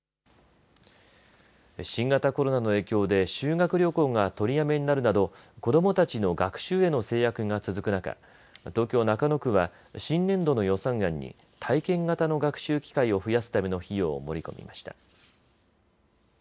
新型コロナの影響で修学旅行が取りやめになるなど子どもたちの学習への制約が続く中、東京中野区は新年度の予算案に体験型の学習機会を増やすための費用を盛り込みました。